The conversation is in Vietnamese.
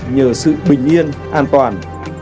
nhờ sự bình yên an toàn